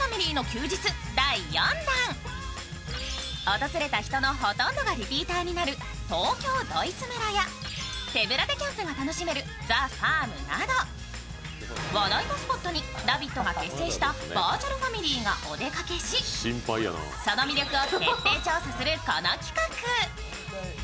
訪れた人のほとんどがリピーターになる東京ドイツ村や手ぶらでキャンプが楽しめるＴＨＥＦＡＲＭなど、話題のスポットに「ラヴィット！」が厳選したバーチャルファミリーがお出かけし、その魅力を徹底調査するこの企画。